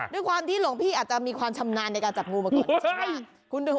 ด้วยความที่หลวงพี่อาจจะมีความชำนาญในการจับงูมาก่อน